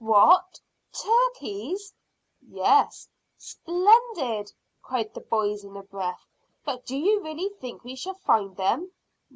"What! Turkeys?" "Yes." "Splendid!" cried the boys in a breath. "But do you really think we shall find them?"